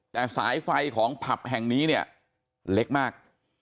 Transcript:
แต่สายไฟของผับแห่งนี้เนี่ยเล็กมาก